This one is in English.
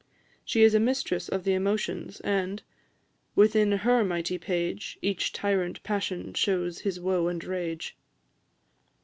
She is a mistress of the emotions, and "Within her mighty page, Each tyrant passion shews his woe and rage."